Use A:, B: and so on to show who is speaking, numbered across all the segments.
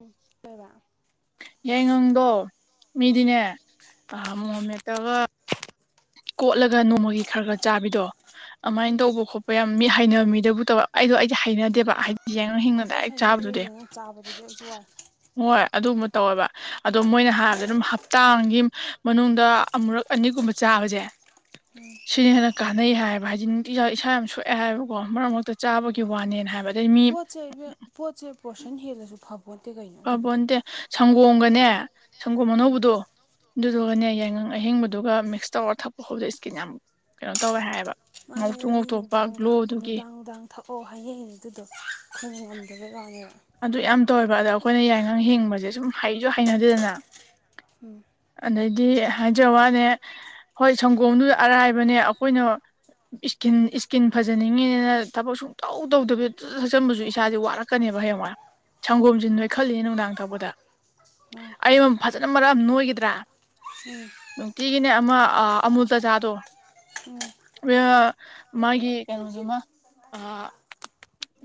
A: ꯎꯝ ꯑꯣꯏꯔ
B: ꯌꯥꯏꯉꯪꯗꯣ
A: ꯎꯝ
B: ꯃꯤꯗꯤꯅꯦ ꯄꯥꯃ ꯉꯣꯝꯃꯦꯠꯇꯕ ꯀꯣꯠꯂꯒ ꯅꯣꯡꯃꯒꯤ ꯈꯔ ꯈꯔ ꯆꯥꯕꯤꯗꯣ ꯑꯗꯨꯃꯥꯏꯅ
A: ꯎꯝ
B: ꯇꯧꯕ ꯈꯣꯠꯄ ꯍꯣꯏ ꯃꯤ ꯍꯩꯅꯕ ꯃꯤꯗꯕꯨ ꯇꯧ ꯑꯩꯗꯣ ꯑꯩꯗꯤ ꯍꯩꯅꯗꯦꯕ ꯍꯥꯏ ꯌꯦꯡꯅ ꯍꯤꯡꯅ
A: ꯑꯁ ꯑꯩꯁꯨ
B: ꯗꯥꯏꯦꯛ
A: ꯍꯩꯅꯗꯦ
B: ꯆꯥꯕꯗꯨꯗꯤ
A: ꯌꯦꯡꯉꯣ ꯆꯥꯕꯗꯗꯤ ꯑꯩꯁꯨ ꯋꯥꯏ
B: ꯍꯣꯏ ꯑꯗꯨꯒꯨꯝꯕ ꯇꯧꯋꯦꯕ ꯑꯗꯣ ꯃꯣꯏꯅ ꯍꯥꯏꯔꯕꯗ ꯑꯗꯨꯝ ꯍꯞꯇꯥꯒꯤ ꯃꯅꯨꯡꯗ ꯑꯃꯨꯔꯛ ꯑꯅꯤꯒꯨꯝꯕ ꯆꯥꯕꯁꯦ ꯍ
A: ꯎꯝ
B: ꯁꯤꯅ ꯍꯦꯟꯅ ꯀꯥꯟꯅꯩ ꯍꯥꯏꯌꯦꯕ ꯍꯥꯏꯗꯤ ꯏꯁꯥ ꯌꯥꯝ ꯁꯣꯛꯑꯦ ꯍꯥꯏꯕꯀꯣ ꯃꯔꯛ ꯃꯔꯛꯇ ꯆꯥꯕꯒꯤ ꯋꯥꯅꯦꯅ ꯍꯥꯏꯕ ꯑꯗꯩ ꯃꯤ
A: ꯄꯣꯠ ꯆꯩ ꯄꯣꯠ ꯆꯩ ꯄꯣꯠꯁꯟ ꯍꯦꯜꯂꯁꯨ ꯐꯄꯣꯠꯇꯦ ꯀꯩꯅꯣ
B: ꯄꯕ
A: ꯑꯗꯨꯕꯨꯗꯤ
B: ꯅꯠꯇꯦ ꯁꯪꯒꯣꯝꯒꯅꯦ ꯁꯪꯒꯣꯝ ꯑꯅꯧꯕꯗꯣ
A: ꯎꯝ
B: ꯑꯗꯨꯗꯨꯒꯅꯦ ꯌꯥꯏꯉꯪ ꯑꯍꯤꯡꯕꯗꯨꯒ ꯇꯤꯛꯁ ꯇꯧꯔꯒ ꯊꯛꯄ ꯈꯣꯠꯗ ꯏꯁꯀꯤꯟ ꯌꯥꯝ ꯀꯩꯅꯣ ꯇꯧꯋꯦ ꯍꯥꯏꯌꯦꯕ ꯉꯧꯊꯣꯛ
A: ꯑꯩ
B: ꯉꯧꯊꯣꯛꯄ
A: ꯅꯨꯡꯗꯥꯡ ꯅꯨꯡꯗꯥꯡ
B: ꯒ꯭ꯂꯣꯗꯨꯒꯤ
A: ꯅꯨꯡꯗꯥꯡ ꯅꯨꯡꯗꯥꯡ ꯊꯛꯑꯣ ꯍꯥꯏꯌꯦ ꯑꯩꯅ ꯑꯗꯨꯗꯣ ꯑꯩꯣꯏꯅ ꯉꯝꯗꯕꯩ ꯋꯥꯅꯦꯕ
B: ꯑꯗꯨ ꯌꯥꯝ ꯇꯧꯋꯦꯕ ꯑꯗ ꯑꯩꯈꯣꯏꯅ ꯌꯥꯏꯉꯪ ꯍꯤꯡꯕꯁꯦ ꯁꯨꯝ ꯍꯩꯁꯨ ꯍꯩꯅꯗꯦꯗꯅ
A: ꯎꯝ
B: ꯑꯗꯩꯗꯤ ꯍꯥꯏꯖ ꯋꯥꯅꯦ ꯍꯣꯏ ꯁꯪꯒꯣꯝꯗꯨꯗ ꯑꯔꯥꯏꯕꯅꯦ ꯑꯩꯈꯣꯏꯅ ꯏꯁꯀꯤꯟ ꯏꯁꯀꯤꯟ ꯐꯖꯅꯤꯡꯉꯤꯅꯤꯅ ꯊꯕꯛ ꯁꯨꯡꯇꯧ ꯇꯧꯗꯕꯤ ꯐꯖ ꯊꯛꯆꯟꯕꯁꯨ ꯏꯁꯥꯁꯦ ꯋꯥꯔꯛꯀꯅꯦꯕ ꯍꯌꯦꯡ ꯁꯪꯒꯣꯝꯁꯤ ꯅꯣꯏ ꯈꯜꯂꯤꯅꯦ ꯅꯨꯡꯗꯥꯡ ꯊꯛꯄꯗ
A: ꯃꯥꯅꯦ
B: ꯑꯩ ꯑꯃ ꯐꯖꯅ ꯃꯔꯛ ꯅꯣꯏꯈꯤꯗ꯭ꯔꯥ
A: [unintelligible]
B: ꯅꯨꯡꯇꯤꯒꯤꯅꯦ ꯑꯃ ꯑꯃꯨꯜ ꯇꯖꯥꯗꯣ ꯃꯥꯒꯤ ꯀꯩꯅꯣꯗꯨꯃ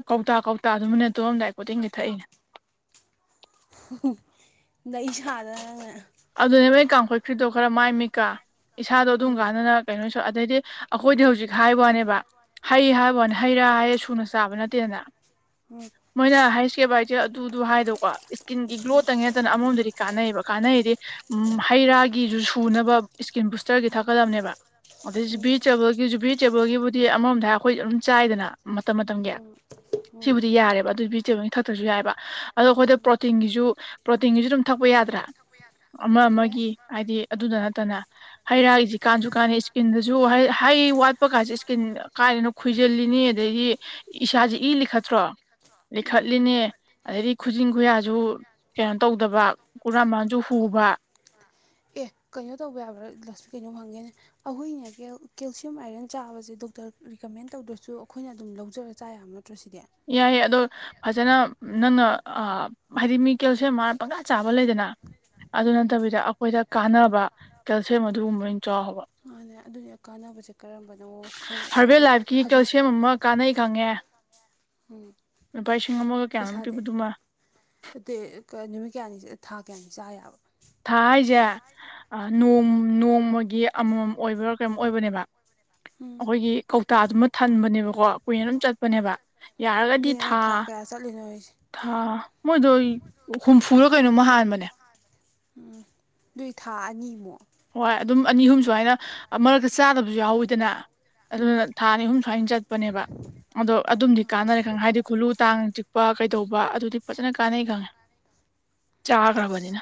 B: ꯀꯧꯇꯥ ꯀꯧꯇꯥ ꯑꯗꯨꯃꯅ ꯇꯣꯂꯣꯝꯗꯥꯏ ꯀꯣꯗꯤꯡꯒꯤ ꯊꯛꯏꯅꯦ
A: [unintelligible] ꯂꯩ ꯁꯥꯗꯅ ꯅꯪꯅꯦ
B: ꯑꯗꯨꯅꯦꯕ ꯀꯥꯡꯈꯨꯠ ꯈ꯭ꯔꯤꯗꯣ ꯈꯔ ꯃꯥꯏ ꯃꯤꯛꯀꯥ ꯏꯁꯥꯗꯣ ꯑꯗꯨꯝ ꯀꯥꯟꯅꯅ ꯀꯩꯅꯣꯁꯨ ꯑꯗꯩꯗꯤ ꯑꯩꯈꯣꯏꯗꯤ ꯍꯧꯖꯤꯛ ꯍꯥꯏꯕ ꯋꯥꯅꯦꯕ ꯍꯩ ꯍꯥꯏꯕꯅꯦ ꯍꯩ ꯔꯥ ꯍꯥꯏꯌꯦ ꯁꯨꯅ ꯆꯥꯕ ꯅꯠꯇꯦꯗꯅ ꯃꯣꯏꯅ ꯍꯥꯏꯁꯦ ꯕꯥ ꯍꯥꯏꯁꯦ ꯑꯗꯨꯗꯨ ꯍꯥꯏꯗꯣꯀꯣ ꯏꯁꯀꯤꯟꯒꯤ ꯒ꯭ꯂꯣ ꯇꯪ ꯅꯠꯇꯅ ꯑꯃꯣꯝꯗꯗꯤ ꯀꯥꯟꯅꯩꯌꯦꯕ ꯀꯥꯟꯅꯩꯗꯤ ꯎ ꯍꯩ ꯔꯥꯒꯤꯁꯨ ꯁꯨꯅꯕ ꯏꯁꯀꯤꯟ ꯕꯨꯁꯇꯔꯒꯤ ꯊꯛꯀꯗꯕꯅꯦꯕ ꯑꯗꯩ ꯖꯨꯕꯤꯔꯤ ꯆꯦꯕꯜꯒꯤ ꯖꯨꯕꯤꯔꯤ ꯇꯦꯕꯜꯒꯤꯕꯨꯗꯤ ꯑꯃꯔꯣꯝꯗꯏ ꯑꯩꯈꯣꯏ ꯑꯗꯨꯝ ꯆꯥꯏꯗꯅ ꯃꯇꯝ ꯃꯇꯝꯒꯤ ꯁꯤꯕꯨꯗꯤ ꯌꯥꯔꯦꯕ ꯑꯗꯨ ꯚꯤꯖꯤꯇꯦꯕꯜꯅꯤ ꯊꯛꯇ꯭ꯔꯁꯨ ꯌꯥꯏꯕ ꯑꯗꯣ ꯑꯩꯈꯣꯏꯗ ꯄ꯭ꯔꯣꯇꯤꯟꯒꯤꯁꯨ ꯄ꯭ꯔꯣꯇꯤꯟꯒꯤꯁꯨ ꯑꯗꯨꯝ ꯊꯛꯄ ꯌꯥꯗ꯭ꯔꯥ ꯑꯃ
A: ꯎꯝ ꯌꯥꯏ
B: ꯑꯃꯒꯤ ꯍꯥꯏꯗꯤ ꯑꯗꯨꯗ ꯅꯠꯇꯅ ꯍꯩꯔꯥꯏꯁꯤ ꯀꯥꯟꯁꯨ ꯀꯥꯟꯅꯩ ꯏꯁꯀꯤꯟꯗꯁꯨ ꯍꯩ ꯋꯥꯠꯄ ꯀꯁꯤ ꯏꯁꯀꯤꯟ ꯀꯥꯏꯅ ꯈꯣꯏꯖꯤꯜꯂꯤꯅꯤ ꯑꯗꯩꯗꯤ ꯏꯁꯥꯁꯦ ꯏ ꯂꯤ ꯈꯠꯇ꯭ꯔꯣ ꯂꯤꯈꯠꯂꯤꯅꯦ ꯑꯗꯩꯗꯒꯤ ꯈꯨꯖꯤꯟ ꯈꯨꯌꯥꯁꯨ ꯀꯩꯅꯣ ꯇꯧꯗꯕ ꯀꯨꯔꯥꯃꯥꯟꯁꯨ ꯍꯨꯕ
A: ꯑꯦ ꯀꯩꯅꯣ ꯇꯧꯕ ꯌꯥꯕ꯭ꯔꯥ ꯂꯁꯁꯨ ꯀꯩꯅꯣ ꯐꯪꯒꯦꯅꯦ ꯑꯩꯈꯣꯏꯅ ꯀꯦꯜꯁꯤꯌꯝ ꯑꯥꯏꯔꯟ ꯆꯥꯕꯁꯦ ꯗꯣꯛꯇꯔ ꯔꯤꯀꯃꯦꯟ ꯇꯧꯗ꯭ꯔꯁꯨ ꯑꯩꯈꯣꯏꯅ ꯑꯗꯨꯝ ꯂꯧꯖꯔ ꯆꯥ ꯌꯥꯝꯅ ꯇꯠꯇ꯭ꯔꯣꯁꯤꯗꯤ
B: ꯌꯥꯏꯑꯌꯦ ꯑꯗꯣ ꯐꯖꯅ ꯅꯪꯅ ꯍꯥꯏꯗꯤ ꯃꯤ ꯀꯦꯜꯁꯤꯌꯝ ꯋꯥꯠꯂ ꯄꯪꯆꯥ ꯆꯥꯕ ꯂꯩꯗꯅ ꯑꯗꯨ
A: ꯎꯝ
B: ꯅꯠꯇꯕꯤꯗ ꯑꯩꯈꯣꯏꯗ ꯀꯥꯟꯅꯕ ꯀꯦꯜꯁꯤꯌꯝ ꯑꯗꯨꯒꯨꯝꯕꯅ ꯆꯥꯎꯕ
A: ꯑꯗꯨ ꯑꯗꯨꯅꯤ ꯀꯥꯟꯅꯕꯁꯦ ꯀꯔꯝꯕꯅꯣ ꯈꯪꯉꯛꯑꯣ
B: ꯍꯥꯔꯕꯦꯜ
A: ꯍꯥꯏꯗꯤ
B: ꯂꯥꯏꯐꯀꯤ
A: ꯍꯧꯖꯤꯛꯁꯦ
B: ꯀꯦꯜꯁꯤꯌꯝ ꯑꯃ ꯀꯥꯟꯅꯩ [unintelligible]
A: ꯎꯝ
B: ꯂꯨꯄꯥ ꯂꯤꯁꯤꯡ ꯑꯃꯒ ꯀꯌꯥꯅꯣ
A: ꯄꯩꯁꯥꯗꯤ
B: ꯄꯤꯕꯗꯨꯃ
A: ꯅꯠꯇꯦ ꯅꯨꯃꯤꯠ ꯀꯌꯥꯅꯤ ꯊꯥ ꯀꯌꯥꯅꯤ ꯆꯥ ꯌꯥꯕ
B: ꯊꯥ ꯍꯥꯏꯁꯦ ꯅꯣꯡ ꯅꯣꯡꯃꯒꯤ ꯑꯃꯃꯝ ꯑꯣꯏꯕꯥ ꯀꯩꯅꯣꯝ ꯑꯣꯏꯕꯅꯦꯕ
A: ꯎꯝ
B: ꯑꯩꯈꯣꯏꯒꯤ ꯀꯧꯇꯥꯗꯨꯃ ꯊꯟꯕꯅꯦꯕꯀꯣ ꯀꯨꯏꯅ ꯑꯗꯨꯝ ꯆꯠꯄꯅꯦꯕ ꯌꯥꯔꯒꯗꯤ
A: ꯑꯗꯨꯅꯦ ꯑꯩꯅ
B: ꯊꯥ
A: ꯀꯌꯥ ꯆꯠꯂꯤꯅꯣ ꯍꯥꯏꯁꯦ
B: ꯊꯥ ꯃꯣꯏꯗꯣ ꯍꯨꯝꯐꯨꯔ ꯀꯩꯅꯣꯝꯃ ꯍꯥꯟꯕꯅꯦ
A: ꯅꯣꯏ ꯊꯥ ꯑꯅꯤꯃꯨꯛ
B: ꯍꯣꯏ ꯑꯗꯨꯝ ꯑꯅꯤ ꯑꯍꯨꯝ ꯁꯨ ꯍꯥꯏꯅ ꯃꯔꯛꯇ ꯆꯥꯗꯕꯁꯨ ꯌꯥꯎꯋꯤꯗꯅ
A: ꯎꯝ
B: ꯑꯗꯨꯅ ꯊꯥ ꯑꯅꯤ ꯑꯍꯨꯝ ꯁꯨꯃꯥꯏꯅ ꯆꯠꯄꯅꯦꯕ ꯑꯗꯣ ꯑꯗꯨꯝꯗꯤ ꯀꯥꯟꯅꯔꯦ ꯈꯪꯉꯦ ꯍꯥꯏꯗꯤ ꯈꯨꯂꯨ ꯇꯥꯡꯅ ꯆꯤꯛꯄ ꯀꯩꯗꯧꯕ ꯑꯗꯨꯗꯤ ꯐꯖꯅ ꯀꯥꯟꯅꯩ ꯈꯪꯉꯦ ꯆꯥ ꯇꯥꯕꯅꯤꯅ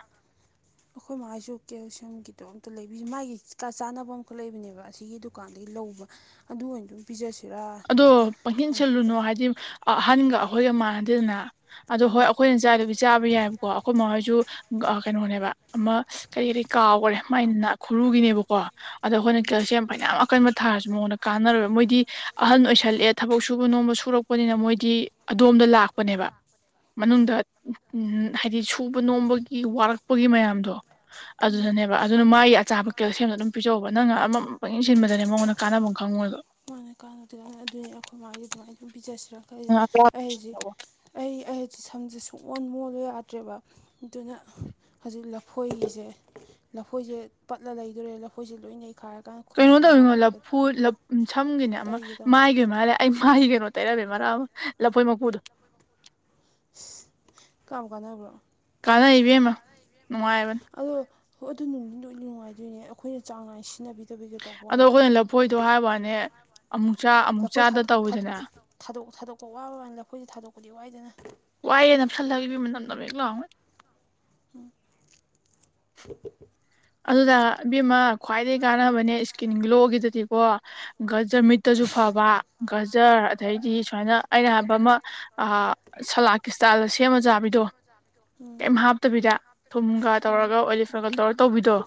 A: ꯑꯩꯈꯣꯏ ꯃꯥꯏꯁꯨ ꯀꯦꯜꯁꯤꯌꯝꯒꯤꯗꯣ ꯑꯝꯇ ꯂꯩꯕꯤꯁ ꯃꯥꯒꯤꯀ ꯆꯥꯅꯕ ꯑꯃꯈꯛ ꯂꯩꯕꯅꯦꯕ ꯑꯁꯤꯒꯤꯗꯨ ꯗꯨꯀꯥꯟꯗꯒꯤ ꯂꯧꯕ ꯑꯗꯨ ꯑꯣꯏꯅ ꯑꯗꯨꯝ ꯄꯤꯖꯁꯤꯔꯥ
B: ꯑꯗꯣ ꯄꯪꯁꯤꯟ
A: ꯎꯝ ꯎꯝ
B: ꯁꯤꯜꯂꯨꯅꯣ ꯍꯥꯏꯗꯤ ꯑꯍꯒ ꯑꯩꯈꯣꯏꯒ ꯃꯥꯟꯅꯗꯦꯗꯅ ꯑꯗꯨ ꯍꯣꯏ
A: ꯎꯝ
B: ꯑꯩꯈꯣꯏ ꯆꯥꯗꯕꯤ ꯆꯥꯕ ꯌꯥꯏꯑꯕꯀꯣ ꯑꯩꯈꯣꯏ ꯃꯈꯣꯏꯁꯨ ꯀꯩꯅꯣꯅꯦꯕ ꯑꯃ ꯀꯔꯤ ꯀꯔꯤ ꯀꯥꯎꯈꯔꯦ ꯃꯥꯏꯅꯥ ꯈꯨꯔꯨꯒꯤꯅꯦꯕꯀꯣ ꯑꯗꯣ ꯑꯩꯈꯣꯏꯅ ꯀꯦꯜꯁꯤꯌꯝ ꯐꯅꯌꯥꯝ ꯌꯥꯝ ꯑꯀꯟꯕ ꯊꯥꯔꯁꯨ ꯃꯉꯣꯟꯗ ꯀꯥꯟꯅꯔ ꯃꯣꯏꯗꯤ ꯑꯍꯟ ꯑꯣꯏꯁꯜꯂꯛꯑꯦ ꯊꯕꯛ ꯁꯨꯕ ꯅꯣꯝꯕ ꯁꯨꯔꯛꯄꯅꯤꯅ ꯃꯣꯏꯗꯤ ꯑꯗꯣꯝꯗ ꯂꯥꯛꯄꯅꯦꯕ
A: ꯎꯝ
B: ꯃꯅꯨꯡꯗ ꯎ ꯍꯥꯏꯗꯤ ꯁꯨꯕ ꯅꯣꯝꯕꯒꯤ ꯋꯥꯔꯛꯄꯒꯤ ꯃꯌꯥꯝꯗꯣ
A: ꯎꯝ
B: ꯑꯗꯨꯗꯅꯦꯕ ꯑꯗꯨꯅ ꯃꯥꯒꯤ ꯑꯆꯥꯄꯠ ꯀꯩꯣ ꯁꯦꯝꯅ ꯑꯗꯨꯝ ꯄꯤꯖꯍꯧꯕ ꯅꯪꯅ ꯑꯃꯃꯝ ꯄꯪ ꯌꯦꯡ ꯁꯤꯟꯕꯗꯅꯦ ꯃꯉꯣꯟꯗ ꯀꯥꯟꯅꯕꯐꯝ ꯈꯪꯉꯨꯗꯁꯨ
A: ꯃꯥꯅ ꯀꯥꯟꯅꯗꯦ ꯀꯥꯟꯅ ꯑꯗꯨꯅꯤ ꯑꯩꯈꯣꯏ ꯃꯥꯁ ꯑꯗꯨꯃꯥꯏꯅ ꯑꯗꯨꯝ ꯄꯤꯖꯁꯤꯔꯈ ꯑꯩꯁꯦ ꯑꯩ ꯑꯩ ꯁꯝꯁꯦ ꯁꯨꯡꯛꯑꯣꯟ ꯃꯣꯜꯂ ꯌꯥꯗ꯭ꯔꯦꯕ ꯑꯗꯨꯅ ꯍꯧꯖꯤꯛ ꯂꯐꯣꯏꯒꯤꯁꯦ ꯂꯐꯣꯏꯁꯦ ꯄꯠꯂ ꯂꯩꯗꯣꯔꯦ ꯂꯐꯣꯏꯁꯦ ꯂꯣꯏ ꯌꯩꯈꯥꯏꯔ
B: ꯀꯩꯅꯣ ꯇꯧꯔꯤꯅꯣ ꯂꯐꯨ ꯁꯝꯒꯤꯅꯦ ꯑꯃ
A: ꯇꯩꯒꯦ ꯇꯧꯅꯤ
B: ꯑꯩꯒꯤ ꯃꯥꯜꯂꯦ ꯑꯩ ꯃꯥꯒꯤ ꯀꯩꯅꯣ ꯇꯩꯔꯝꯃꯦ ꯃꯔꯥꯑ ꯂꯐꯣꯏ ꯃꯀꯨꯗꯣ
A: ꯀꯃ ꯀꯥꯟꯅꯕ꯭ꯔꯣ
B: ꯀꯥꯟꯅ ꯏꯕꯦꯝꯃꯣ ꯅꯨꯡꯉꯥꯏꯕꯅꯦ
A: ꯑꯗꯣ ꯍꯣꯏ ꯑꯗꯨ ꯅꯨꯡꯗꯤ ꯂꯣꯏꯅ ꯅꯨꯡꯉꯥꯏꯗꯣꯏꯅꯦ ꯑꯩꯈꯣꯏꯅ ꯆꯥꯡ ꯅꯥꯏꯅ ꯁꯤꯟꯅꯕꯤꯗ
B: ꯑꯗꯣ ꯑꯩꯈꯣꯏꯅ ꯂꯐꯣꯏꯗꯣ ꯍꯥꯏꯕꯅꯦ ꯑꯃꯨꯛ ꯆ ꯑꯃꯨꯛ
A: ꯂꯐꯣꯏ
B: ꯆꯥꯗ
A: ꯊꯥꯗꯣꯛ ꯊꯥꯗꯣꯛ
B: ꯇꯧꯋꯤꯗꯅꯦ
A: ꯊꯥꯗꯣꯛ ꯊꯥꯗꯣꯛꯄ ꯋꯥꯕ ꯃꯅꯗ ꯑꯩꯈꯣꯏꯁꯦ ꯊꯥꯗꯣꯛꯄꯗꯤ ꯋꯥꯏꯗꯅ
B: ꯋꯥꯏꯑꯦꯅ ꯐꯜꯂꯈꯤꯕ ꯃꯝꯗ ꯑꯃꯦꯛ ꯂꯥꯎꯅ ꯑꯗꯨꯗ ꯏꯕꯤꯦꯝꯃ ꯈ꯭ꯋꯥꯏꯗꯒꯤ ꯀꯥꯟꯅꯕꯅꯦ ꯏꯁꯀꯤꯟ ꯒ꯭ꯂꯣꯒꯤꯗꯨꯗꯤꯀꯣ ꯒꯖꯔ ꯃꯤꯠꯇꯁꯨ ꯐꯕ ꯒꯖꯔ ꯑꯗꯩꯗꯤ ꯁꯨꯃꯥꯏꯅ ꯑꯩꯅ ꯍꯥꯏꯕ ꯑꯃ
A: ꯃ ꯑꯃ ꯁꯂꯥꯠ ꯏꯁꯇꯥꯏꯜ ꯁꯦꯝꯕ ꯌꯥꯥꯕ
B: ꯀꯔꯤꯝ ꯍꯥꯞꯇꯕꯤꯗ ꯊꯨꯝꯒ
A: ꯎꯝ
B: ꯇꯧꯔꯒ ꯑꯣꯂꯤꯐꯒ ꯇꯧꯔ ꯇꯧꯕꯤꯗꯣ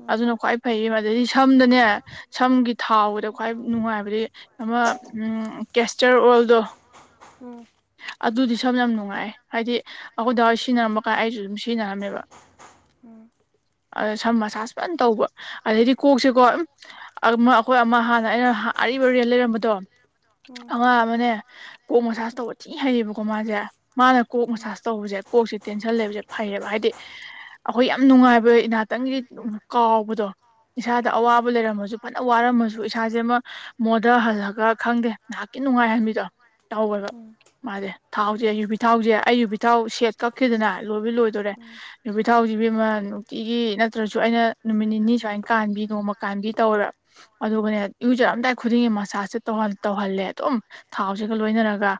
A: ꯎꯝ
B: ꯑꯗꯨꯅ ꯈ꯭ꯋꯥꯏ ꯐꯩ ꯃꯗꯗꯤ ꯁꯝꯗꯅꯦ ꯁꯝꯒꯤ ꯊꯥꯎꯕꯗ ꯈ꯭ꯋꯥꯏ ꯅꯨꯡꯉꯥꯏꯕꯗꯤ ꯑꯃ ꯀꯦꯁꯇꯔ ꯑꯣꯏꯜꯗꯣ
A: ꯎꯝ
B: ꯑꯗꯨꯗꯤ ꯁꯝꯅ ꯌꯥꯝ ꯅꯨꯡꯉꯥꯏ ꯍꯥꯏꯗꯤ ꯑꯩꯈꯣꯏꯗ ꯍꯏꯔ ꯁꯤꯖꯤꯟꯅꯔꯝꯕ ꯀꯥꯟꯗ ꯑꯩꯁꯨ ꯑꯗꯨꯝ ꯁꯤꯖꯤꯟꯅꯔꯝꯃꯦꯕ
A: ꯎꯝ
B: ꯑꯗ ꯁꯝ ꯃꯁꯥꯥꯁ ꯐꯖꯅ ꯇꯧꯕ ꯑꯗꯩꯗꯤ ꯀꯣꯛꯁꯤꯦꯀꯣ ꯑꯩꯈꯣꯏ ꯑꯃ ꯍꯥꯟꯅ ꯑꯩꯅ ꯑꯔꯤꯕ ꯔꯦꯜ ꯂꯩꯔꯝꯕꯗꯣ
A: ꯎꯝ
B: ꯑꯉꯥꯡ ꯑꯃꯅꯦ ꯀꯣꯛ ꯃꯁꯥꯁ ꯇꯧꯕ ꯊꯤ ꯍꯩꯌꯦꯕꯀꯣ ꯃꯥꯁꯦ ꯃꯥꯅ ꯀꯣꯛ ꯃꯁꯥꯁ ꯇꯧꯕꯁꯦ ꯀꯣꯛꯁꯦ ꯇꯦꯟꯁꯟ ꯂꯩꯕꯁꯦ ꯐꯩꯔꯦꯕ ꯍꯥꯏꯗꯤ ꯑꯩꯈꯣꯏ ꯌꯥꯝ ꯅꯨꯡꯉꯥꯏꯕ ꯏꯍꯥꯛꯇꯪꯒꯤ ꯀꯥꯎꯕꯗꯣ ꯏꯁꯥꯗ ꯑꯋꯥꯕ ꯂꯩꯔꯝꯃꯁꯨ ꯐꯖꯅ ꯋꯥꯔꯝꯃꯁꯨ ꯏꯁꯥꯁꯦ ꯑꯃ ꯃꯣꯗ ꯍꯜꯂ ꯈ ꯈꯪꯗꯦ ꯉꯍꯥꯛꯀꯤ ꯅꯨꯡꯉꯥꯏꯍꯟꯕꯤꯗꯣ ꯇꯧꯋꯦꯕ
A: ꯎꯝ
B: ꯃꯥꯁꯦ ꯊꯥꯎꯁꯦ ꯌꯨꯕꯤ ꯊꯥꯎꯁꯦ ꯑꯩ ꯌꯨꯕꯤ ꯊꯥꯎ ꯁꯦꯠ ꯀꯛꯈꯤꯗꯅ ꯂꯣꯏꯕ ꯂꯣꯏꯗꯣꯔꯦ ꯅꯨꯄꯤ ꯊꯥꯎꯁꯤꯕꯤ ꯑꯃ ꯅꯨꯡꯇꯤꯒꯤ ꯅꯠꯇ꯭ꯔꯁꯨ ꯑꯩꯅ ꯅꯨꯃꯤꯠ ꯅꯤꯅꯤ ꯁꯨꯃꯥꯏꯅ ꯀꯥꯟꯕꯤ ꯅꯣꯡꯃ ꯀꯥꯟꯕꯤ ꯇꯧꯋꯦꯕ ꯑꯗꯨꯒꯅꯦ ꯌꯨꯖꯔꯝꯗꯥꯏ ꯈꯨꯗꯤꯡꯒꯤ ꯃꯁꯖꯁꯦꯧ ꯇꯧꯍꯜꯂꯦ ꯑꯗꯨꯝ ꯊꯥꯎꯁꯤꯒ ꯂꯣꯏꯅꯔꯒ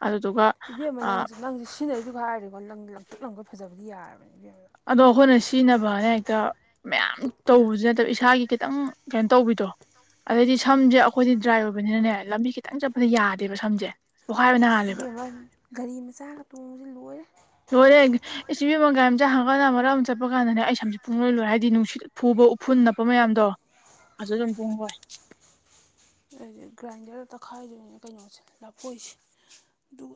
B: ꯑꯗꯨꯗꯨ
A: ꯏꯕꯦꯝ ꯑꯃ ꯅꯪꯁ ꯅꯪꯁꯦ ꯁꯤꯖꯤꯟꯅꯔꯤꯁꯨ ꯍꯥꯏꯔꯦꯀꯣ ꯅꯪ ꯂꯪꯊꯣꯛ ꯂꯝꯪꯈꯣꯏ ꯐꯖꯕꯒꯤ ꯌꯥꯔꯕꯅꯦ ꯏꯕꯦꯝ ꯑꯃꯗ
B: ꯑꯗꯣ ꯑꯩꯈꯣꯏꯅ ꯁꯤꯖꯤꯟꯅꯕꯅ ꯍꯦꯛꯇ ꯃꯌꯥꯝ ꯇꯧꯕꯁꯤ ꯅꯠꯇꯕ ꯏꯁꯥꯒꯤ ꯈꯤꯇꯪ ꯀꯩꯅꯣ ꯇꯧꯕꯤꯗ꯭ꯔꯣ ꯑꯗꯩꯗꯤ ꯁꯝꯁꯦ ꯑꯩꯈꯣꯏꯗꯤ ꯗ꯭ꯔꯥꯏ ꯑꯣꯏꯕꯅꯤꯅꯅꯦ ꯂꯝꯕꯤ ꯈꯤꯇꯪ ꯆꯠꯄꯗ ꯌꯥꯗꯦꯕ ꯁꯝꯁꯦ ꯄꯣꯛꯈꯥꯏꯕ ꯅꯥꯍꯜꯂꯦꯕ
A: ꯌꯦꯔ ꯒꯥꯔꯤ ꯃꯆꯥꯒ ꯇꯣꯡꯕꯕꯁꯤ ꯂꯣꯏꯔꯦ
B: ꯂꯣꯏꯔꯦ ꯏꯆꯤꯕꯤ ꯃꯪꯒꯥꯏꯝꯆꯥ ꯍꯪꯀꯥꯟꯅ ꯃꯔꯛ ꯑꯃ ꯆꯠꯄ ꯀꯥꯟꯗꯅꯦ ꯑꯩ ꯁꯝꯁꯦ ꯐꯨꯡꯅꯣꯏ ꯂꯣꯏ ꯍꯥꯏꯗꯤ ꯅꯨꯡꯁꯤꯠ ꯐꯨꯕ ꯐꯨ ꯅꯞꯄ ꯃꯌꯥꯝꯗꯣ ꯑꯗꯨ ꯑꯗꯨꯝ ꯄꯨꯡ ꯍꯣꯏ
A: ꯍꯧꯖꯤꯛ ꯒ꯭ꯔꯥꯏꯟꯗꯔ ꯇꯛꯈꯥꯏꯗꯣꯏꯅꯦ ꯀꯩꯅꯣꯁꯦ ꯂꯥꯞꯄꯣꯏꯁꯦ ꯑꯗꯨ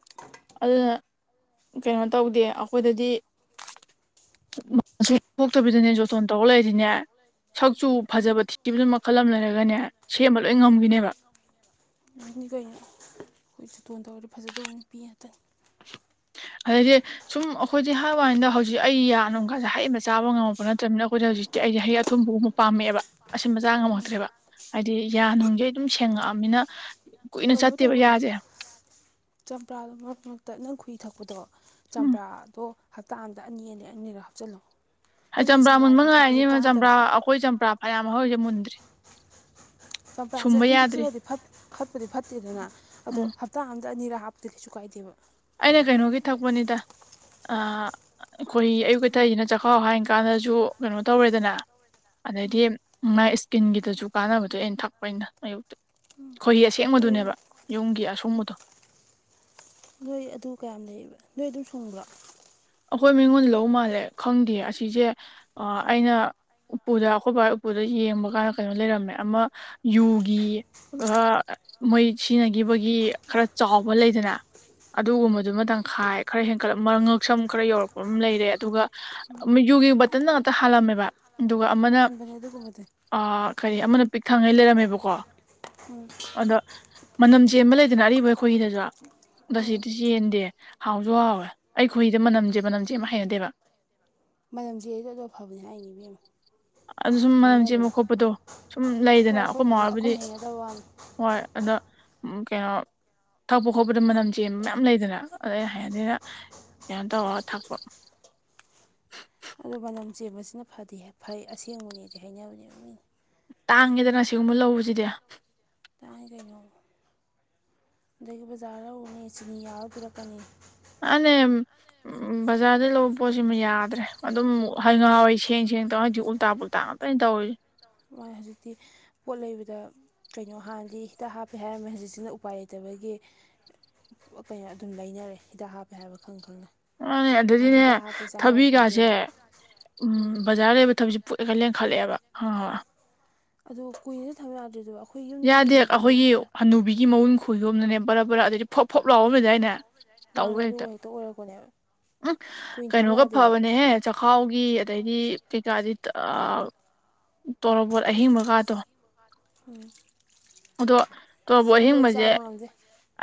B: ꯑꯗꯨꯅ ꯀꯩꯅꯣ ꯇꯧꯗꯦ ꯑꯩꯈꯣꯏꯗꯗꯤ ꯄꯣꯛꯇꯕꯤꯗꯅꯦ ꯖꯣꯇꯣꯟ ꯇꯧꯔ ꯂꯩꯔꯤꯅꯦ ꯁꯛꯆꯨ ꯐꯖꯕ ꯊꯤꯤꯕꯗꯨ ꯃꯈꯜ ꯑꯃ ꯂꯩꯔꯒꯅꯦ ꯁꯦꯝꯕ ꯂꯣꯏ ꯉꯝꯈꯤꯅꯦꯕ
A: ꯑꯗꯨꯅꯤ ꯀꯩꯅꯣ ꯑꯩꯈꯣꯏ ꯁꯇꯣꯟ ꯇꯧꯔꯗꯤ ꯐꯖꯗꯕ ꯄꯤ ꯉꯥꯛꯇꯅꯤ
B: ꯑꯗꯩꯗꯤ ꯁꯨꯝ ꯑꯩꯈꯣꯏꯗꯤ ꯍꯍꯅꯗ ꯍꯧꯖꯤꯛ ꯑꯩ ꯌꯥꯅ ꯀꯥꯟꯁꯦ ꯍꯩꯕ ꯆꯥꯕ ꯉꯝꯃꯛꯄ ꯅꯠꯇꯕꯅꯤꯅ ꯑꯩꯈꯣꯏꯗ ꯍꯧꯖꯤꯛ ꯑꯩꯁꯦ ꯍꯩ ꯑꯊꯣꯡꯨꯝꯕꯥꯎ ꯑꯃ ꯄꯥꯝꯃꯦꯑꯦꯕ ꯑꯁꯤ ꯃꯆꯥ ꯉꯝꯃꯛꯇ꯭ꯔꯦꯕ ꯍꯥꯏꯗꯤ ꯌꯥꯅꯨꯡꯁꯦ ꯑꯗꯨꯝ ꯁꯦꯡꯉꯛꯑꯃꯤꯅ
A: ꯀꯩꯅꯣ ꯇꯧꯒꯣꯏꯩꯅꯣ ꯆꯝꯄ꯭ꯔꯥ ꯃꯔꯛ ꯃꯔꯛꯇ ꯅꯪ ꯈꯨꯨꯏ ꯊꯛꯄꯗꯣ
B: ꯎꯝ
A: ꯆꯝꯄ꯭ꯔꯥꯗꯣ ꯍꯞꯇꯥ ꯑꯃꯗ ꯑꯅꯤ ꯑꯅꯤ ꯑꯅꯤꯔꯣ ꯍꯥꯞꯆꯤꯜꯂꯣ ꯍꯥꯏꯗꯤ
B: ꯆꯝꯄ꯭ꯔꯥ ꯃꯨꯟꯕ
A: ꯌꯥꯝ ꯊꯛꯄꯁꯨ
B: ꯉꯉꯥꯏꯅꯤꯅ ꯆꯝꯄ꯭ꯔꯥ
A: ꯀꯥꯟꯅꯗꯕꯅꯤ
B: ꯑꯩꯈꯣꯏ ꯆꯝꯄ꯭ꯔꯥ ꯐꯌꯥꯝꯍꯣꯏꯁꯦ ꯃꯨꯟꯗ꯭ꯔꯤ
A: ꯆꯝꯄ꯭ꯔꯥꯁꯦ
B: ꯁꯨꯝꯕ
A: ꯑꯗꯨꯝ
B: ꯌꯥꯗ꯭ꯔꯤ
A: ꯊꯛꯆꯜꯂꯗꯤ ꯐꯠ ꯐꯠꯄꯨꯗꯤ ꯐꯠꯇꯦꯗꯅ ꯑꯗꯣ
B: ꯎꯝ
A: ꯍꯞꯇꯥ ꯑꯃꯗ ꯑꯅꯤꯔꯛ ꯍꯥꯞꯇꯤ ꯀꯩꯁꯨ ꯀꯥꯏꯗꯦꯕ
B: ꯑꯩꯅ ꯀꯩꯅꯣꯒꯤ ꯊꯛꯄꯅꯤꯗ ꯈꯣꯏꯍꯤ ꯑꯌꯨꯛꯇꯥ ꯊꯛꯏꯁꯤꯅ ꯆꯈꯥꯎ ꯍꯥꯏ ꯀꯥꯟꯗꯁꯨ ꯀꯩꯅꯣ ꯇꯧꯔꯦꯗꯅ ꯑꯗꯩꯗꯤ ꯃꯥꯥꯏ ꯏꯁꯀꯤꯟꯒꯤꯗꯁꯨ ꯀꯥꯟꯅꯕꯗꯣ ꯑꯩꯅ ꯊꯛꯄꯅꯤꯗ ꯑꯌꯨꯛꯇ ꯈꯣꯏꯍꯤ
A: ꯑꯗꯨ
B: ꯑꯁꯦꯡꯕꯗꯨꯅꯦꯕ ꯌꯨꯝꯒꯤ ꯑꯁꯨꯡꯕꯗꯣ
A: ꯅꯣꯏ ꯑꯗꯨ ꯀꯌꯥꯝ ꯂꯩꯕ ꯅꯣꯏ ꯑꯗꯨ ꯁꯨꯡꯕ꯭ꯔꯣ
B: ꯑꯩꯈꯣꯏ ꯃꯤꯉꯣꯟ ꯂꯧ ꯃꯥꯜꯂꯦ ꯈꯪꯗꯦ ꯑꯁꯤꯖꯧꯦ ꯑꯥ ꯑꯩꯅ ꯎꯄꯨꯗ ꯑꯩꯈꯣꯏ ꯕꯥꯏ ꯎꯄꯨꯗ ꯌꯦꯡꯕ ꯀꯥꯟꯗ ꯀꯩꯅꯣ ꯂꯩꯔꯝꯃꯦ ꯑꯃ ꯌꯨꯒꯤ ꯑꯥ ꯃꯣꯏ ꯁꯤꯟꯅꯒꯤꯕꯒꯤ ꯈꯔ ꯆꯥꯎꯕ ꯂꯩꯗꯅ ꯑꯗꯨꯒꯨꯝꯕꯗꯨꯃ ꯇꯪꯈꯥꯏ ꯈꯔ ꯍꯦꯟꯀꯠꯂꯞ ꯃꯉꯪꯛ ꯁꯝ ꯈꯔ ꯌꯧꯔꯛꯄ ꯑꯃ ꯂꯩꯔꯦ ꯑꯗꯨꯒ ꯌꯨꯒꯤ ꯕꯇꯟꯗ ꯉꯥꯛꯇ ꯍꯥꯜꯂꯝꯃꯦꯕ ꯑꯗꯨꯒ ꯑꯃꯅ
A: ꯍꯥꯟꯕꯅꯦ ꯑꯗꯨꯒꯨꯝꯕꯗꯤ
B: ꯑꯥ ꯀꯔꯤ ꯑꯃꯅ ꯄꯤꯛ ꯊꯪꯉꯩ ꯂꯩꯔꯝꯃꯦꯕꯀꯣ
A: ꯎꯝ
B: ꯑꯗꯣ ꯃꯅꯝ ꯆꯦꯟꯕ ꯂꯩꯗꯅ ꯑꯔꯤꯕ ꯈꯣꯏꯍꯤꯗꯖꯨ
A: ꯎꯝ
B: ꯕꯥꯁꯤꯗꯤ ꯆꯦꯟꯗꯦ ꯍꯥꯎꯁꯨ ꯍꯥꯎꯋꯦ ꯈꯣꯏꯍꯤꯗ ꯃꯅꯝꯖꯦ ꯃꯅꯝꯆꯦꯟꯕ ꯍꯩꯅꯗꯦꯕ
A: ꯃꯅꯝ ꯆꯦꯟꯕꯗꯣ ꯑꯗꯨ ꯑꯐꯕꯅꯦ ꯍꯥꯏꯅꯦ ꯏꯕꯦꯝꯃ
B: ꯑꯗꯨ ꯁꯨꯝ ꯃꯅꯝ
A: ꯍꯥꯏꯅꯕꯅꯦ
B: ꯆꯦꯟꯕ ꯈꯣꯠꯄꯗꯣ ꯁꯨꯝ
A: ꯍꯣꯏ
B: ꯂꯩꯗꯅ ꯑꯩꯈꯣꯏ
A: ꯑꯩꯈꯣꯏꯅ
B: ꯃꯍꯣꯏꯕꯨꯗꯤ
A: ꯑꯩꯈꯣꯏꯅ ꯍꯩꯅꯗꯕ ꯋꯥꯅꯤ
B: ꯍꯣꯏ ꯑꯗꯣ ꯎꯝ ꯀꯩꯅꯣ ꯊꯛꯄ ꯈꯣꯠꯄꯗ ꯃꯅꯝ ꯆꯦꯟꯕ ꯃꯌꯥꯝ ꯂꯩꯗꯅ ꯑꯗ ꯑꯩꯅ ꯍꯩꯅꯗꯦꯅ ꯀꯩꯅꯣ ꯇꯧꯔꯒ ꯊꯛꯄ
A: ꯑꯗꯨ ꯃꯅꯝ ꯆꯦꯟꯕꯁꯤꯅ ꯐꯗꯤ ꯐꯩ ꯑꯁꯦꯡꯕꯅꯦꯗꯤ ꯍꯥꯏꯅꯕꯅꯦꯕ ꯃꯤꯅ
B: ꯇꯥꯡꯉꯦꯗꯅ ꯁꯤꯒꯨꯝꯕ ꯂꯧꯕꯖꯤꯗꯤ
A: ꯇꯥꯡꯉꯦ ꯀꯩꯅꯣ ꯑꯗꯒꯤ ꯕꯖꯥꯔꯗ ꯎꯅꯤ ꯆꯤꯅꯤ ꯌꯥꯎꯔ ꯄꯤꯔꯛꯀꯅꯤ
B: ꯃꯥꯅꯦꯝ ꯎꯝ ꯕꯖꯥꯔꯗꯩ ꯂꯧꯕ ꯄꯣꯠꯁꯤꯃꯥ ꯌꯥꯗ꯭ꯔꯦ ꯑꯗꯨꯝ ꯍꯥꯏ ꯉꯥꯍꯟꯋꯥꯏ ꯁꯦꯡ ꯁꯦꯡ ꯇꯧꯋꯤ ꯍꯧꯖꯤꯛ ꯎꯜꯇꯥ ꯄꯨꯜꯇꯥꯥ ꯉꯥꯛ ꯑꯩ ꯇꯧꯔꯤ ꯖꯤ
A: ꯍꯣꯏ ꯍꯧꯖꯤꯛꯇꯤ ꯄꯣꯠ ꯂꯩꯕꯗ ꯀꯩꯅꯣ ꯍꯥꯟꯗꯤ ꯍꯤꯗꯥꯛ ꯍꯥꯞꯄꯦ ꯍꯥꯏꯔꯝꯃꯦ ꯍꯧꯖꯤꯛꯁꯤꯅ ꯎꯄꯥꯏ ꯂꯩꯇꯕꯒꯤ ꯀꯩꯅꯣ ꯑꯗꯨꯝ ꯂꯩꯅꯔꯦ ꯍꯤꯗꯥꯛ ꯍꯥꯞꯄꯦ ꯍꯥꯏꯕ ꯈꯪ ꯈꯪꯅ
B: ꯃꯥꯅꯦ
A: ꯍꯥꯟꯅꯗꯤ
B: ꯑꯗꯨꯗꯤꯅꯦ
A: ꯍꯤꯗꯥꯛ ꯍꯥꯞꯄꯦ
B: ꯊꯕꯤꯒꯥꯁꯦ
A: ꯆꯥꯅꯔꯝꯄꯣꯟꯇꯦꯕ
B: ꯎꯝ ꯕꯖꯥꯔ ꯂꯩꯕ ꯊꯕꯤꯁꯤ ꯄꯨꯛ ꯍꯦꯛꯇ ꯂꯦꯡꯈꯜꯂꯦꯕ
A: ꯑꯗꯨ ꯀꯨꯏꯅꯖꯨ ꯊꯝꯕ ꯌꯥꯗ꯭ꯔꯤꯗꯣ ꯑꯩꯈꯣꯏ ꯌꯨꯝꯗꯒꯤ ꯍꯤꯡꯒꯣꯜꯗꯒꯤ ꯍꯜꯂꯛ
B: ꯒꯤ ꯃꯎꯟ ꯈꯣꯏꯌꯣꯝꯅꯅꯦ ꯕꯔꯥ ꯕꯔꯥ ꯑꯗꯩꯗꯤ ꯐꯣꯠ ꯐꯣꯠ ꯂꯥꯎꯕꯝ ꯂꯩꯗꯥꯏꯅꯦ
A: ꯃꯥꯅꯦ
B: ꯇꯧꯋꯦ ꯍꯦꯛꯇꯥ
A: ꯑꯗꯨ ꯍꯦꯛꯇ ꯑꯣꯏꯔꯛꯄꯅꯦꯕ
B: ꯎꯝ
A: ꯀꯨꯏꯅ ꯊꯝ
B: ꯀꯩꯅꯣꯒ
A: ꯌꯥꯗꯦꯕ
B: ꯐꯕꯅꯦꯍꯦ ꯆꯈꯥꯎꯒꯤ ꯑꯗꯩꯗꯤ ꯀꯩꯀꯥꯗꯤ ꯇꯣꯔꯣꯕꯣꯠ ꯑꯍꯤꯡꯕꯒꯥꯥꯗꯣ
A: ꯍꯝ
B: ꯑꯗꯣ ꯇꯣꯔꯕꯣꯛ ꯑꯍꯤꯡꯕꯖꯦ
A: ꯆꯥꯕ ꯉꯝꯗꯦ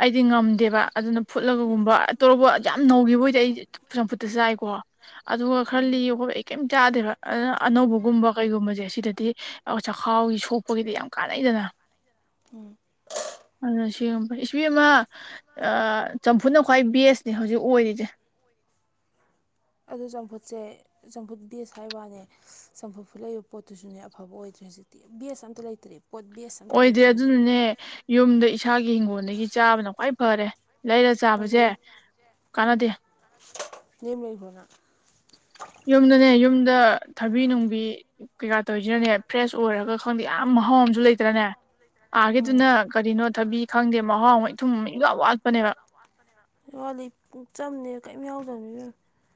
B: ꯑꯩꯗꯤ ꯉꯝꯗꯦꯕ ꯑꯗꯨꯅ ꯐꯨꯠꯂꯒꯒꯨꯝꯕ ꯇꯣꯔꯣꯕꯣꯠ ꯌꯥꯝ ꯅꯧꯒꯤꯕꯑꯣꯏꯗꯤ ꯑꯩ ꯆꯝꯐꯨꯠꯇ ꯆꯥꯏꯀꯣ ꯑꯗꯨꯒ ꯈꯔ ꯂꯤꯕ ꯈꯣꯠꯄ ꯑꯩ ꯀꯩꯝ ꯆꯥꯗꯦꯕ ꯑꯗꯨꯅ ꯑꯅꯧꯕꯒꯨꯝꯕ ꯀꯩꯒꯨꯝꯕꯖꯦ ꯁꯤꯗꯗꯤ ꯆꯈꯥꯎꯒꯤ ꯁꯣꯛꯄꯒꯤꯗꯤ ꯌꯥꯝ ꯀꯥꯟꯅꯩꯗꯅ ꯑꯗꯨꯅ ꯁꯦꯝ ꯐꯩ ꯏꯁ ꯏꯕꯦꯝꯃꯥ ꯑꯥ ꯆꯝꯐꯨꯅ ꯈ꯭ꯋꯥꯏ ꯕꯦꯁꯅꯦ ꯍꯧꯖꯤꯛ ꯑꯣꯏꯔꯤꯁꯦ
A: ꯑꯗꯨ ꯆꯝꯐꯨꯠꯁꯦ ꯆꯝꯐꯨꯠ ꯗꯦꯁ ꯍꯥꯏꯕꯋꯥꯅꯦ ꯆꯝꯐꯨꯠ ꯐꯨꯠꯂꯛꯏꯕ ꯄꯣꯠꯇꯨꯁꯨꯅꯦ ꯑꯐꯕ ꯑꯣꯏꯗ꯭ꯔꯦ ꯍꯧꯖꯤꯛꯇꯤ ꯕꯦꯁ ꯑꯝꯇ ꯂꯩꯇ꯭ꯔꯦ ꯄꯣꯠ ꯕꯦꯁ ꯑꯝꯇ
B: ꯑꯣꯏꯗ꯭ꯔꯦ
A: ꯂꯩꯇ꯭ꯔꯦ ꯍꯧꯖꯤꯛ
B: ꯑꯗꯨꯅꯅꯦ ꯌꯨꯝꯗ ꯏꯁꯥꯒꯤ ꯍꯤꯡꯒꯣꯜꯗꯒꯤ ꯆꯥꯕꯅ ꯈ꯭ꯋꯥꯏ ꯐꯔꯦ ꯂꯩꯔ ꯆꯥꯕꯖꯦ ꯀꯥꯟꯅꯗꯦ
A: ꯌꯨꯝ ꯂꯩꯕꯔꯣ ꯅꯪ
B: ꯌꯨꯝꯗꯅꯦ ꯌꯨꯝꯗ ꯊꯕꯤ ꯅꯨꯡꯕꯤ ꯀꯩꯀꯥ ꯇꯧꯔꯤꯁꯤꯅꯅꯦ ꯐ꯭ꯔꯦꯁ ꯑꯣꯏꯔꯒ ꯈꯪꯗꯦ ꯌꯥꯝ ꯃꯍꯥꯎ ꯑꯨ ꯂꯩꯇ꯭ꯔꯅꯦ
A: ꯎꯝ
B: ꯑꯥꯒꯗꯨꯅ ꯀꯔꯤꯅꯣ ꯊꯕꯤ ꯈꯪꯗꯦ ꯃꯍꯥꯎ ꯃ ꯏꯊꯨꯝ ꯃ ꯏ ꯌꯥꯝ ꯋꯥꯠꯄꯅꯦꯕ
A: ꯋꯥꯂꯤ ꯆꯝꯅꯦ ꯀꯔꯤꯝ ꯌꯥꯎꯗꯕꯅꯦ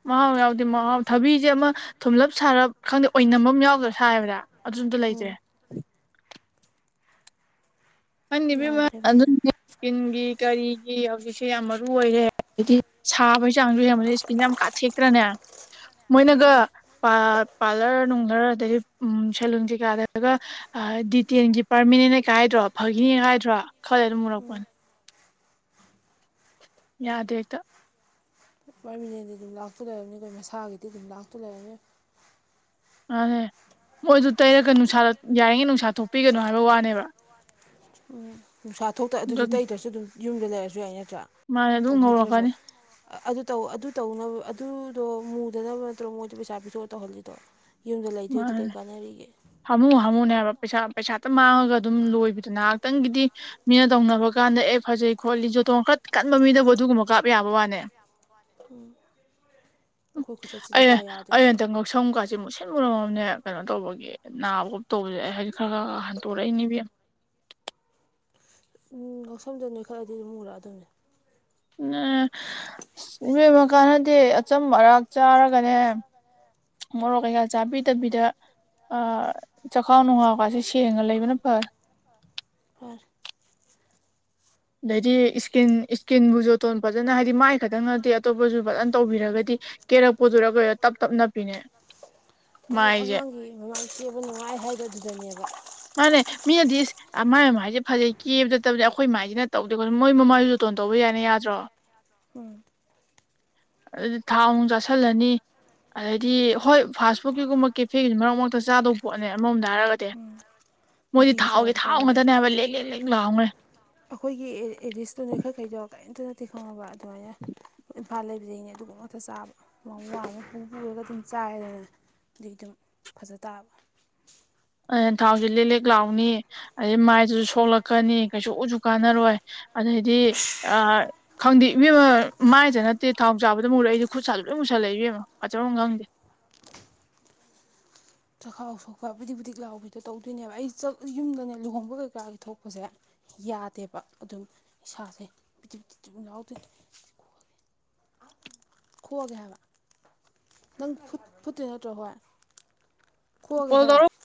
B: ꯃꯍꯥꯎ ꯌꯥꯎꯗꯦ
A: ꯃꯍꯥꯎ ꯌꯥꯎꯁꯦ
B: ꯊꯕꯤꯁꯦ ꯑꯃ
A: ꯃꯍꯥꯎ ꯊꯕꯤꯁꯦ
B: ꯊꯨꯝꯂꯞ
A: ꯑꯃ
B: ꯁꯥꯔꯞ
A: ꯁꯨꯡꯂꯞ
B: ꯈꯪꯗꯦ
A: ꯁꯥꯔ
B: ꯑꯣꯏꯅꯝꯕ ꯑꯃ
A: ꯈꯔ
B: ꯌꯥꯎꯗ꯭ꯔꯥ
A: ꯑꯣꯏꯅꯕ ꯑꯃ
B: ꯁꯥꯏꯕꯗ
A: ꯌꯥꯎꯗ꯭ꯔ
B: ꯑꯗꯨꯁꯨ ꯑꯝꯇ ꯂꯩꯇ꯭ꯔꯦ
A: ꯁꯥꯏ
B: ꯐꯟꯕꯤꯃ
A: ꯌꯥꯗ꯭ꯔꯦ
B: ꯑꯗꯨ
A: ꯐꯖꯅ
B: ꯏꯁꯀꯤꯟꯒꯤ ꯀꯔꯤꯒꯤ ꯍꯧꯖꯤꯛꯁꯦ ꯌꯥꯝ ꯃꯔꯨ ꯑꯣꯏꯔꯦ ꯑꯗꯤ ꯁꯥꯕꯒꯤ ꯆꯥꯡꯁꯨ ꯌꯥꯝ ꯆꯤꯟ ꯌꯥꯝ ꯀꯥꯊꯦꯛꯇ꯭ꯔꯅꯦ ꯃꯣꯏꯅꯒ
A: ꯀꯥꯊꯦꯛꯑꯦ
B: ꯄꯥꯔꯂꯔ ꯅꯨꯡꯂꯔ ꯑꯗꯒꯤ ꯎ ꯁꯦꯂꯟ ꯀꯩꯀꯥꯗꯔꯒ ꯗꯤꯇꯦꯟꯒꯤ ꯄꯥꯔꯃꯤꯅ ꯀꯥꯏꯗ꯭ꯔꯣ ꯐꯥꯒꯤꯅꯦ ꯀꯥꯏꯗ꯭ꯔꯣ ꯈꯜꯂ ꯑꯗꯨꯝ ꯃꯔꯛꯄꯅꯦ ꯌꯥꯗꯦ ꯍꯦꯛꯇ
A: ꯄꯥꯔꯃꯤꯅꯦꯟꯗꯤ ꯑꯗꯨꯝ ꯂꯥꯛꯇ ꯂꯩꯔꯝꯅꯤ ꯑꯩꯈꯣꯏ ꯃꯁꯥꯒꯤꯗꯤ ꯑꯗꯨꯝ ꯂꯥꯛꯇ ꯂꯩꯔꯝꯅꯤ
B: ꯑꯅꯦ ꯃꯣꯏꯗꯨ ꯇꯩꯔꯒ ꯅꯨꯡꯁꯥꯗ ꯌꯥꯔꯤꯉꯩ ꯅꯨꯡꯁꯥ ꯊꯣꯛꯄꯤꯒꯅꯨ ꯍꯥꯏꯕ ꯋꯥꯅꯦꯕ
A: ꯎꯝ ꯅꯨꯡꯁꯥ ꯊꯣꯛꯇ ꯑꯗꯨꯗꯤ
B: ꯑꯗꯨ
A: ꯇꯩꯇ꯭ꯔꯁꯨ ꯑꯗꯨꯝ ꯌꯨꯝꯗ ꯂꯩꯔꯁꯨ ꯌꯥꯏ ꯅꯠꯇ꯭ꯔꯥ
B: ꯃꯥꯅ ꯑꯗꯨꯝ
A: ꯇꯧꯕꯤꯗ꯭ꯔꯁꯨ
B: ꯉꯧꯔꯛꯀꯅꯤ
A: ꯑꯗꯨ ꯇ ꯑꯗꯨ ꯇꯧꯅꯕ ꯑꯗꯨꯗꯣ ꯃꯨꯗꯅꯕ ꯅꯠꯇ꯭ꯔꯣ ꯃꯣꯏꯗꯣ ꯄꯩꯁꯥ ꯤꯗ꯭ꯔꯣ ꯇꯧꯍꯜꯂꯤꯗꯣ ꯌꯨꯝꯗ ꯂꯩꯗꯣꯏꯗꯤ ꯀꯩ ꯀꯥꯟꯅꯔꯤꯒꯦ
B: ꯍꯥꯝꯃꯨ ꯍꯥꯝꯃꯨꯅꯦ ꯍꯥꯏꯕ ꯄꯩꯁꯥ ꯄꯩꯁꯥꯇ ꯃꯥꯡꯉꯒ ꯑꯗꯨꯝ ꯂꯣꯏꯕꯗ ꯉꯥꯏꯍꯥꯛꯇꯪꯒꯤꯗꯤ ꯃꯤꯅ ꯇꯧꯅꯕ ꯀꯥꯟꯗ ꯑꯦ ꯐꯖꯩ ꯈꯣꯠꯂꯤ ꯣꯊꯣꯡ ꯈꯠ ꯀꯟꯕ ꯃꯤꯗꯕꯨ ꯑꯗꯨꯒꯨꯝꯕ ꯀꯥꯞ ꯌꯥꯕ ꯋꯥꯅꯦ
A: ꯑꯩꯈꯣꯏ ꯈꯨꯆꯠꯁꯤꯗ ꯀꯥ ꯌꯥꯗꯣꯏꯅꯣ
B: ꯑꯩꯅ ꯑꯇ ꯉꯧꯁꯝ ꯀ ꯁꯤ ꯃꯨꯠꯁꯟ ꯃꯨꯔꯝꯃꯕꯅꯦ ꯀꯩꯅꯣ ꯇꯧꯕꯒꯤ ꯅꯥꯕꯣꯞ ꯇꯧꯕꯁꯦ ꯑꯩ ꯍꯥꯏꯗꯤꯛ ꯈꯔ ꯈꯔ ꯍꯟꯇꯣꯔꯛꯏꯅꯦꯕ
A: ꯎꯝ ꯌꯥꯎꯁꯝꯗ ꯅꯣꯏ ꯈꯔꯑꯗꯤ ꯑꯗꯨꯝ ꯃꯔꯛꯑꯗꯕꯅꯤ
B: ꯎꯝ ꯑꯁ ꯏꯃꯏꯕꯀꯥꯟꯅꯗꯤꯦ ꯑꯆꯝꯝꯕ ꯑꯔꯥꯛ ꯆꯥꯔꯒꯅꯦ ꯃꯣꯔꯣꯛ ꯀꯩꯀꯥ ꯆꯥꯕꯤꯗꯕꯤꯗ ꯆꯈꯥꯎ ꯅꯨꯡꯉꯥꯎꯀꯁꯤꯦ ꯁꯦꯡꯉ ꯂꯩꯕꯅ ꯐꯩ
A: ꯐꯔꯦ
B: ꯑꯗꯩꯗꯤ ꯏꯁꯀꯤꯟ ꯏꯁꯀꯤꯟꯕꯨ ꯣꯇꯣꯟ ꯐꯖꯅ ꯍꯥꯏꯗꯤ ꯃꯥꯏ ꯈꯛꯇꯪ ꯅꯠꯇꯦ ꯑꯇꯣꯞꯄꯁꯨ ꯐꯖꯅ ꯇꯧꯕꯤꯔꯒꯗꯤ ꯀꯦꯔꯛꯄꯗꯨꯔ ꯀꯔꯣ ꯇꯞ ꯇꯞꯅ ꯄꯤꯅꯦ ꯃꯥꯏꯁꯦ
A: ꯃꯥꯡꯁꯦꯕ ꯅꯨꯡꯉꯥꯏ ꯍꯥꯏꯕꯗꯨꯗꯅꯦꯕ
B: ꯃꯥꯅꯦ ꯃꯤꯗꯤꯁ ꯃꯥꯏ ꯃꯃꯥꯏꯁꯦ ꯐꯖꯩ ꯀꯦꯕꯗꯕꯗꯤ ꯑꯩꯈꯣꯏ ꯃꯃꯥꯏꯁꯤꯅ ꯇꯧꯗꯦ ꯈꯣꯠ ꯃꯣꯏ ꯃꯃꯥꯏꯁꯨ ꯣꯇꯣꯟ ꯇꯧꯕ ꯌꯥꯏꯅꯤ ꯌꯥꯗ꯭ꯔꯣ
A: ꯎꯝ
B: ꯑꯗꯨꯗꯤ ꯊꯥꯎ ꯑꯃꯨ ꯆꯥꯁꯤꯜꯂꯅꯤ ꯑꯗꯩꯗꯤ ꯍꯣꯏ ꯐꯥꯁ ꯐꯨꯗꯀꯤꯒꯨꯝꯕ ꯀꯦꯐꯦꯒꯤꯗꯤ ꯃꯔꯛ ꯃꯔꯛꯇ ꯆꯥꯗꯧꯕ ꯄꯣꯠꯅꯦ ꯑꯃꯔꯃꯝꯗ ꯍꯥꯏꯔꯒꯗꯤ ꯃꯣꯏꯗꯤ
A: ꯅꯨꯡꯇꯤꯒꯤ
B: ꯊꯥꯎꯒꯦ
A: ꯆꯥꯔꯗꯤ ꯀꯥꯏ
B: ꯊꯥꯎ
A: ꯌꯥꯗꯣꯏꯅꯣ
B: ꯉꯠꯇꯅꯦꯕ ꯂꯦꯡ ꯂꯦꯛ ꯂꯦꯡ ꯂꯥꯎꯅ
A: ꯑꯩꯈꯣꯏꯒꯤ ꯑꯦꯗꯤꯁꯇꯨꯅꯦ ꯈꯔ ꯈꯩꯗꯧ ꯀꯔꯤꯝꯇ ꯅꯠꯇꯤ ꯈꯪꯉꯕ ꯑꯗꯨꯃꯥꯏꯅ ꯏꯝꯐꯥꯜ ꯂꯩꯕꯗꯒꯤꯩꯅꯦ ꯑꯗꯨꯒꯨꯝ ꯑꯇ ꯆꯥꯕ ꯃꯃ ꯑꯃ ꯄꯨꯔꯒ ꯑꯗꯨꯝ ꯆꯥꯏꯗꯅꯦ ꯑ ꯑꯗꯨꯝ ꯐꯖ ꯇꯥꯕ
B: ꯊꯥꯎꯁꯤ ꯂꯦꯛꯂꯦꯛ ꯂꯥꯎꯅꯤ ꯑꯗꯩ ꯃꯥꯏꯗꯨꯁꯨ ꯁꯣꯛꯂꯛꯀꯅꯤ ꯀꯩꯁꯨ ꯎꯁꯨ ꯀꯥꯟꯅꯔꯣꯏ ꯑꯗꯩꯗꯤ ꯑ ꯈꯪꯗꯦ ꯏꯕꯦꯝꯃ ꯃꯥꯏꯗ ꯅꯠꯇꯦ ꯊꯥꯎ ꯆꯥꯕꯗ ꯃꯨꯨꯔꯛꯏꯗꯤ ꯈꯨꯠ ꯁꯥꯥꯅ ꯂꯣꯏꯅ ꯃꯨꯁꯜꯂꯛꯦ ꯏꯕꯦꯝꯃ ꯑꯆꯔꯝ ꯈꯪꯗꯦ
A: ꯆꯈꯥꯎ ꯁꯣꯛꯄꯕꯨꯗꯤꯛꯕꯨꯗꯤꯛ ꯂꯥꯎꯕꯗꯣ ꯇꯧꯗꯣꯏꯅꯦꯕ ꯑꯩ ꯌꯨꯝꯗꯅꯦ ꯂꯨꯍꯣꯡꯕ ꯀꯩꯀꯥꯒꯤ ꯊꯣꯛꯄꯁꯦ ꯌꯥꯗꯦꯕ ꯑꯗꯨꯝ ꯏꯁꯥꯁꯦ ꯄꯤ ꯄꯤ ꯌꯥꯎꯗꯦ ꯈꯣꯑꯒꯦ ꯍꯥꯏꯕ ꯅꯪ ꯐꯨꯠꯇꯦ ꯅꯠꯇ꯭ꯔꯣ ꯍꯣꯏ ꯈꯣꯒꯦ
B: ꯀꯣꯜ ꯇꯧꯔꯛ
A: ꯈꯔ